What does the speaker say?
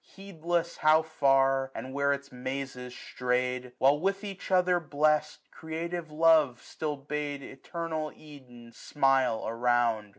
Heedless how far, and where its mazes stray'd j While, with each other blest, creative love Still bade eternal Eden smile around.